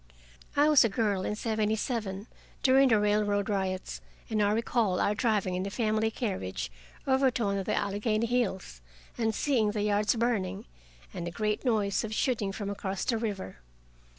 I was a girl in seventy seven, during the railroad riots, and I recall our driving in the family carriage over to one of the Allegheny hills, and seeing the yards burning, and a great noise of shooting from across the river.